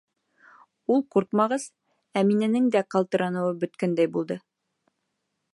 Ул ҡурҡмағас, Әминәнең дә ҡалтыраныуы бөткәндәй булды.